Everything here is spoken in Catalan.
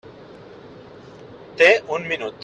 Té un minut.